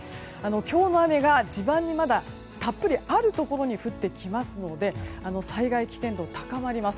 今日の雨が地盤にたっぷりあるところに降ってきますので災害危険度、高まります。